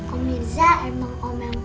om mirza emang om yang baik banget ya